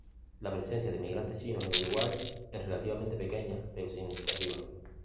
La presencia de inmigrantes chinos en Uruguay es relativamente pequeña pero significativa.